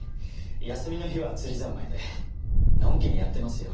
休みの日は釣り三昧でのんきにやってますよ。